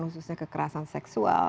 khususnya kekerasan seksual